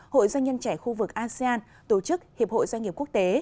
hội doanh nhân trẻ khu vực asean tổ chức hiệp hội doanh nghiệp quốc tế